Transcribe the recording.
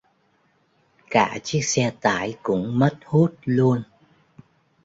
Cả chiếc xe tải cũng mất hút luôn